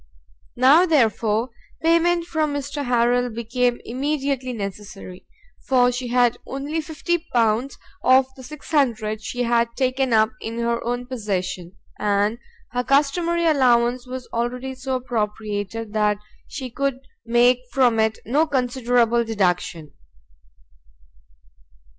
Now, therefore, payment from Mr Harrel became immediately necessary, for she had only L50 of the L600 she had taken up in her own possession, and her customary allowance was already so appropriated that she could make from it no considerable deduction.